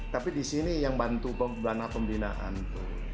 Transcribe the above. tapi di sini yang bantu dana pembinaan itu